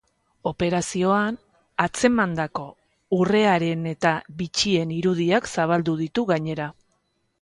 Operazioan atzemandako urreareneta bitxien irudiak zabaldu ditu gainera.